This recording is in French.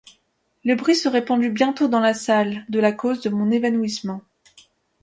Le bruit se répandit bientôt dans la salle de la cause de mon évanouissement.